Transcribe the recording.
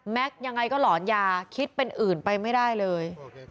ยังไงก็หลอนยาคิดเป็นอื่นไปไม่ได้เลย